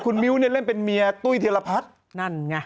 คุณมิ้วเนี่ยเล่นเป็นเมียตุ้ยธีรพัฒน์นั่นไง